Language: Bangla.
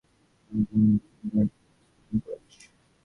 আর মেকানিক্যালে প্রথম হয়েছে Adamjee cantonment public school and college.